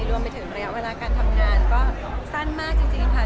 รวมไปถึงระยะเวลาการทำงานก็สั้นมากจริงค่ะ